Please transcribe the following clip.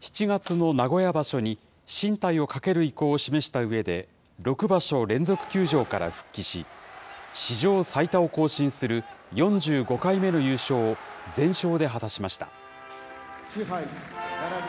７月の名古屋場所に進退をかける意向を示したうえで、６場所連続休場から復帰し、史上最多を更新する４５回目の優勝を全勝で果たしました。